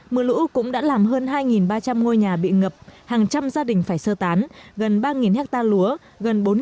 mưa lũ cũng đã làm hơn hai ba trăm linh ngôi nhà bị ngập hàng trăm gia đình phải sơ tán gần ba ha lúa gần